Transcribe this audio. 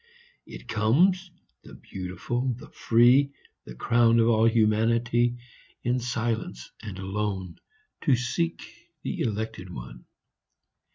It comes, — the beautiful, the free, Tl: >wn of all humanity, — In silence and alone 2Q To seek the elected one.